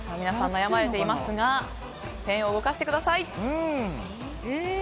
皆さん、悩まれてますがペンを動かしてください。